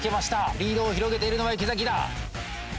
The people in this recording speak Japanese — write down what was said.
リードを広げているのは池崎だ。